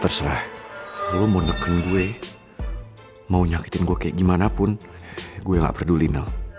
terserah lo mau nekun gue mau nyakitin gue kayak gimana pun gue gak peduli nol